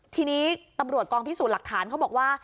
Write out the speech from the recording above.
ทีนี้ตำรวจกองพิสูจน์หลักฐานเขาบอกว่า